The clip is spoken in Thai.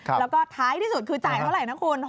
แล้วก็ท้ายที่สุดคือจ่ายเท่าไหร่นะคุณ